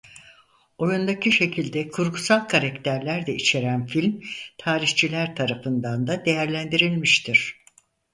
Oyundaki şekilde kurgusal karakterler de içeren film tarihçiler tarafından da değerlendirilmiştir.